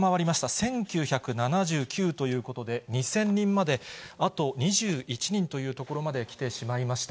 １９７９ということで、２０００人まであと２１人というところまできてしまいました。